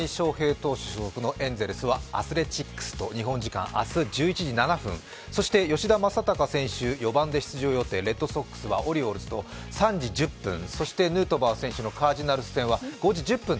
投手所属のエンゼルスはアスレチックスと、日本時間明日１１時７分そして吉田正尚選手、４番で出場予定、レッドソックスはオリオールズと３時１０分、そしてヌートバー選手のカージナルス戦は５時１０分。